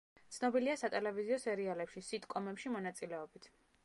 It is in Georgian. ცნობილია სატელევიზიო სერიალებში, სიტკომებში მონაწილეობით.